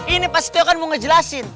ini pas setio kan mau ngejelasin